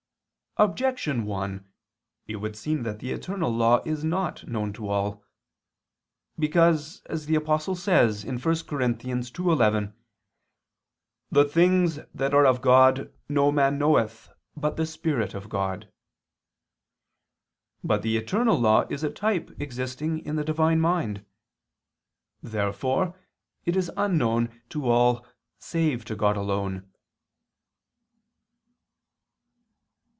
Objection 1: It would seem that the eternal law is not known to all. Because, as the Apostle says (1 Cor. 2:11), "the things that are of God no man knoweth, but the Spirit of God." But the eternal law is a type existing in the Divine mind. Therefore it is unknown to all save God alone.